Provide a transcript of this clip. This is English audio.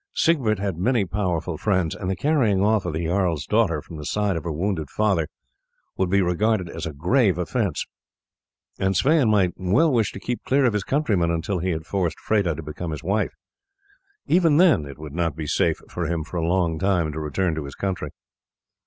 Siegbert had many powerful friends, and the carrying off of the jarl's daughter from the side of her wounded father would be regarded as a grave offence; and Sweyn might well wish to keep clear of his countrymen until he had forced Freda to become his wife. Even then it would not be safe for him for a long time to return to his country.